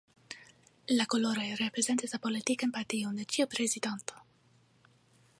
La koloroj reprezentas la politikan partion de ĉiu prezidanto.